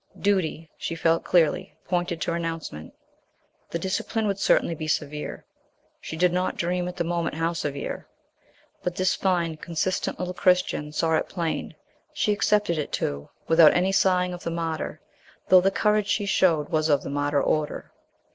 Duty, she felt clearly, pointed to renouncement. The discipline would certainly be severe she did not dream at the moment how severe! but this fine, consistent little Christian saw it plain; she accepted it, too, without any sighing of the martyr, though the courage she showed was of the martyr order.